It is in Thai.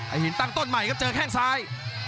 หินตั้งต้นใหม่ครับเจอแข้งซ้าย